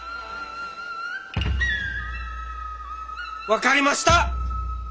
分かりました！